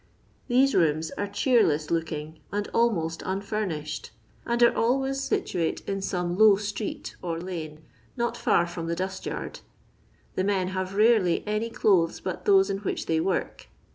These rooms are cheeilesa£>oking, and almost unfurnished— and are always situate in some low itxieet or lane not for from the du9t> yard. Tha men have rarely any clothes but those in which they work.